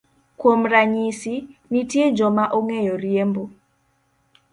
Kuom ranyisi, nitie joma ong'eyo riembo